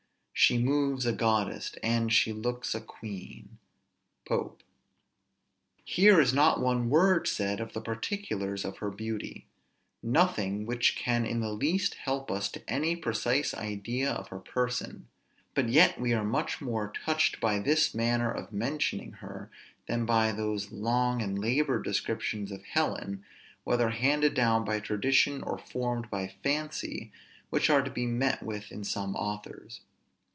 She moves a goddess, and she looks a queen." POPE. Here is not one word said of the particulars of her beauty; nothing which can in the least help us to any precise idea of her person; but yet we are much more touched by this manner of mentioning her, than by those long and labored descriptions of Helen, whether handed down by tradition, or formed by fancy, which are to be met with in some authors.